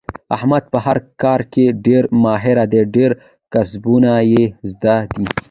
احمد په هر کار کې ډېر ماهر دی. ډېر کسبونه یې زده دي.